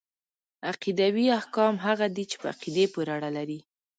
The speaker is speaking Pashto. عقيدوي احکام هغه دي چي په عقيدې پوري اړه لري .